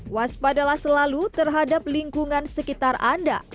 waspadalah selalu terhadap lingkungan sekitar anda